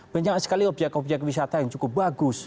banyak sekali objek objek wisata yang cukup bagus